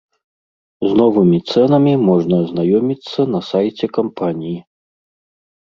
З новымі цэнамі можна азнаёміцца на сайце кампаніі.